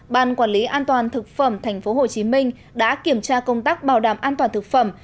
ban quản lý an toàn thực phẩm tp hcm đã kiểm tra công tác bảo đảm an toàn thực phẩm